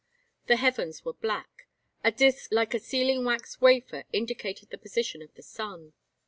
The heavens were black. A disk like a sealing wax wafer indicated the position of the sun.